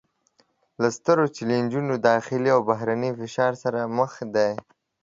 له سترو چلینجونو داخلي او بهرني فشار سره مخ دي